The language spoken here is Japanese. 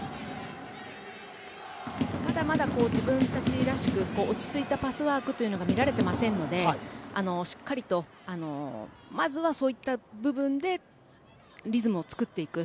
まだまだ自分たちらしく落ち着いたパスワークが見られていませんのでしっかりとまずはそういった部分でリズムを作っていく。